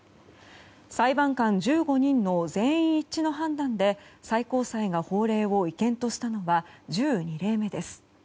裁判官１５人の全員一致の判断で最高裁が法令を違憲としたのは１２例目です。